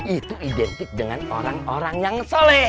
itu identik dengan orang orang yang soleh